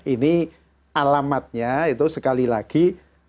ini alamatnya itu sekali lagi